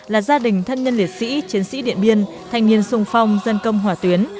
là gia đình thân nhân liệt sĩ chiến sĩ địa biên thành niên sung phong dân công hòa tuyến